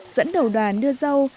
dẫn đầu đoàn đưa dâu